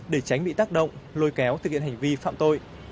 để tránh bị tác động lôi kéo thực hiện hành vi phạm tội